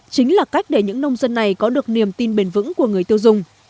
chính là cách để những nông dân này có được niềm tin bền vững của người tiêu dùng